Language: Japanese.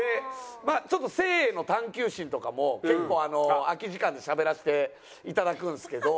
ちょっと性への探究心とかも結構空き時間でしゃべらせていただくんですけど。